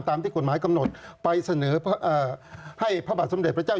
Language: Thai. ตามที่กฎหมายกำหนดไปเสนอให้พระบาทสมเด็จพระเจ้า